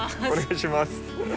お願いします。